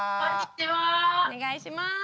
お願いします。